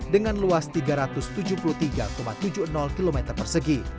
dengan luas tiga ratus tujuh puluh tiga tujuh puluh km persegi